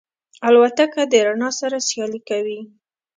الوتکه د رڼا سره سیالي کوي.